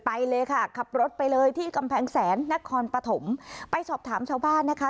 ไปเลยค่ะขับรถไปเลยที่กำแพงแสนนครปฐมไปสอบถามชาวบ้านนะคะ